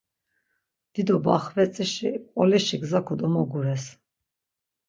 Dido baxvetzişi Mp̌olişi gza kodomogures.